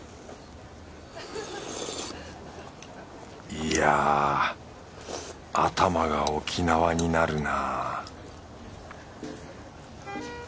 いやぁ頭が沖縄になるな